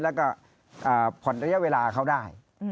แล้วก็ผ่อนระยะเวลาเขาได้